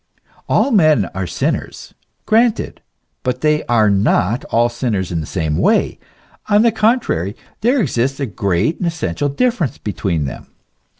All men are sinners. Granted : but they are not all sinners in the same way ; on the contrary, there exists a great and essential differ ence between them.